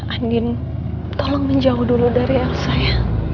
andin tolong menjauh dulu dari elsa ya